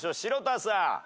城田さん。